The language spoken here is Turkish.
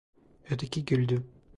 Öteki güldü: